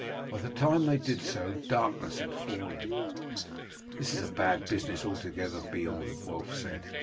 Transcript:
By the time they did so darkness had fallen. "This is a bad business altogether, Beorn," Wulf said.